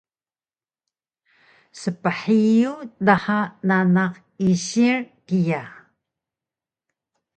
sphiyug dha nanaq isil kiya